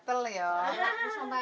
tangannya kanan apa sih